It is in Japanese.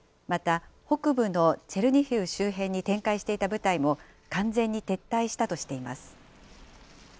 また北部のチェルニヒウ周辺に展開していた部隊も完全に撤退したとしています。